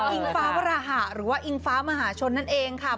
อิงฟ้าวราหะหรือว่าอิงฟ้ามหาชนนั่นเองค่ะ